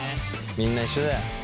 みんな一緒だよ。